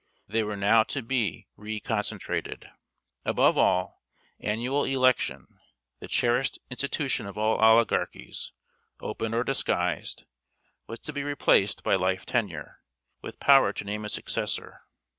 They were now to be re concentrated. Above all, annual election the cherished institution of all oligarchies, open or disguised was to be replaced by life tenure, with power to name a successor.